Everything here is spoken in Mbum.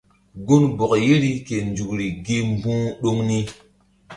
Gunbɔk yeri ke nzukri gi mbu̧h ɗoŋ ni.